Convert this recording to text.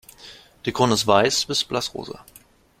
Die Krone ist weiß bis blassrosa.